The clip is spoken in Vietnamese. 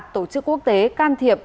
tổ chức quốc tế can thiệp